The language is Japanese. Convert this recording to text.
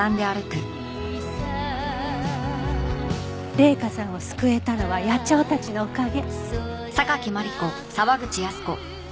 麗華さんを救えたのは野鳥たちのおかげ。